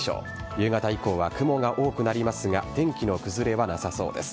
夕方以降は雲が多くなりますが天気の崩れはなさそうです。